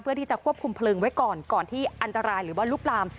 เพื่อที่จะควบคุมเพลิงไว้ก่อนก่อนที่อันตรายหรือว่าลุกลาม